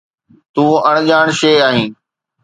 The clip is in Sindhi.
تون اڻڄاڻ شيءِ آهين